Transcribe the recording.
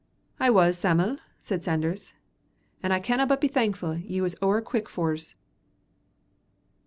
"I was, Sam'l," said Sanders, "and I canna but be thankfu' ye was ower quick for's."